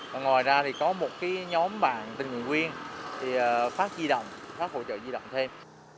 và ngoài ra thì có một nhóm bạn tình nguyên thì phát di động phát hỗ trợ di động thêm